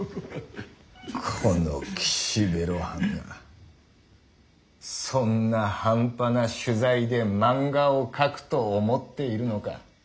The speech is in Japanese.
この岸辺露伴がそんなハンパな取材で漫画を描くと思っているのかッ。